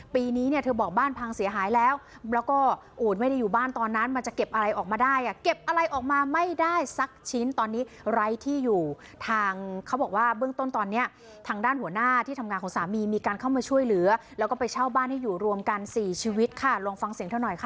ปีนี้เนี่ยเธอบอกบ้านพังเสียหายแล้วแล้วก็ไม่ได้อยู่บ้านตอนนั้นมันจะเก็บอะไรออกมาได้อ่ะเก็บอะไรออกมาไม่ได้สักชิ้นตอนนี้ไร้ที่อยู่ทางเขาบอกว่าเบื้องต้นตอนเนี้ยทางด้านหัวหน้าที่ทำงานของสามีมีการเข้ามาช่วยเหลือแล้วก็ไปเช่าบ้านให้อยู่รวมกันสี่ชีวิตค่ะลองฟังเสียงเธอหน่อยค่ะ